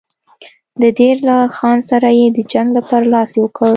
د دیر له خان سره یې د جنګ لپاره لاس یو کړ.